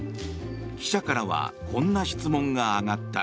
記者からはこんな質問が上がった。